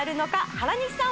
原西さん